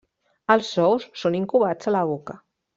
Els ous són incubats a la boca.